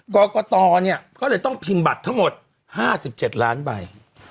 กรกตเนี่ยก็เลยต้องพิมพ์บัตรทั้งหมด๕๗ล้านใบ